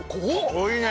濃いね！